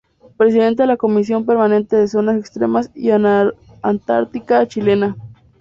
Preside la Comisión Permanente de Zonas Extremas y Antártica Chilena.